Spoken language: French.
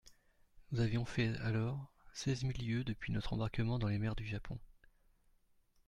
Nous avions fait alors seize mille lieues depuis notre embarquement dans les mers du Japon.